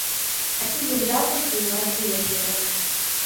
А тиде жапыште илаш лиеш ыле.